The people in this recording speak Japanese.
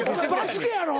バスケやろ。